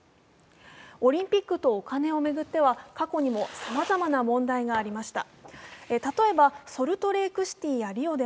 オリンピックとお金を巡っては、過去にもさまざまな問題がありました。